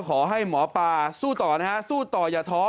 ขอให้หมอปลาสู้ต่ออย่าท้อ